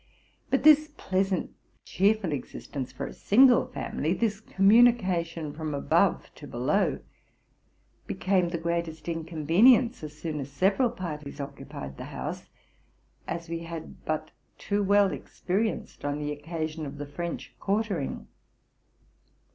But this pleasant, cheerful existence for a single family —this communication from above to below — became the greatest Inconyenience as soon as several parties occupied the house, as we had but too well experienced on the occasion of the French quartering.